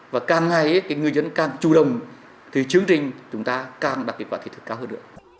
và càng ngày cái người dân càng chủ động thì chương trình chúng ta càng đặc biệt và thị thực cao hơn nữa